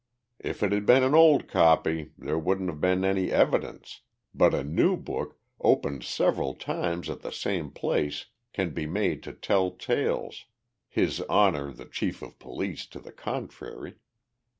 "If it had been an old copy, there wouldn't have been any evidence but a new book, opened several times at the same place, can be made to tell tales his honor, the chief of police, to the contrary."